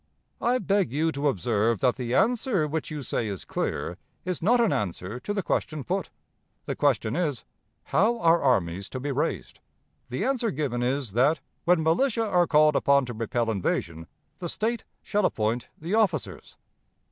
"I beg you to observe that the answer which you say is clear is not an answer to the question put. The question is, How are armies to be raised? The answer given is, that, when militia are called upon to repel invasion, the State shall appoint the officers.